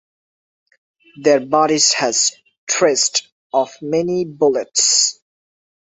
Their bodies had traces of many bullets.